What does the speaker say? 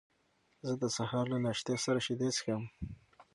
زه د سهار له ناشتې سره شیدې څښم.